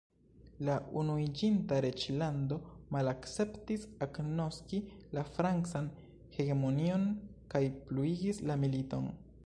La Unuiĝinta Reĝlando malakceptis agnoski la Francan hegemonion kaj pluigis la militon.